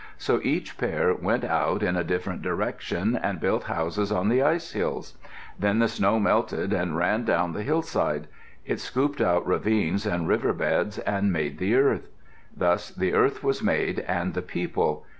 So each pair went out in a different direction and built houses on the ice hills. Then the snow melted and ran down the hillsides. It scooped out ravines and river beds and made the earth. Thus the earth was made and the people.